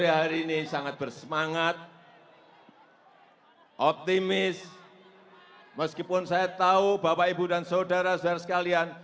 hari ini sangat bersemangat optimis meskipun saya tahu bapak ibu dan saudara saudara sekalian